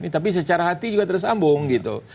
tapi secara hati juga tersambung gitu